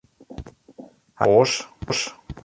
Ha jo neat oars?